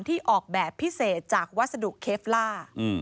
ออกแบบพิเศษจากวัสดุเคฟล่า